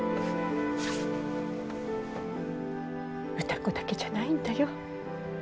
歌子だけじゃないんだよ。